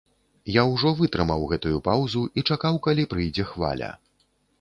Я ўжо вытрымаў гэтую паўзу і чакаў, калі прыйдзе хваля.